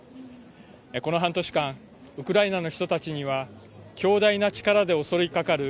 この半年間ウクライナの人たちには強大な力で襲いかかる